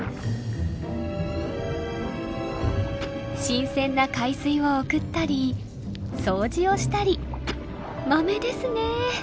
新鮮な海水を送ったり掃除をしたりマメですね。